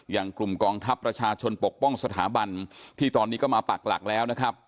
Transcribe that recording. อย่างกลุ่มกองทัพประชาชนปกป้องสถาบันที่ตอนนี้ก็มาปักหลักแล้วนะครับ